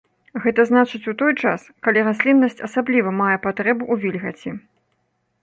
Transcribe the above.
Гэта значыць у той час, калі расліннасць асабліва мае патрэбу ў вільгаці.